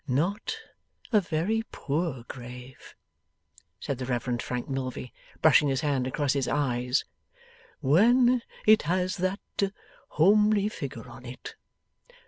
'Not a very poor grave,' said the Reverend Frank Milvey, brushing his hand across his eyes, 'when it has that homely figure on it.